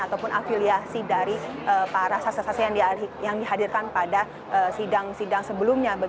ataupun afiliasi dari para saksi saksi yang dihadirkan pada sidang sidang sebelumnya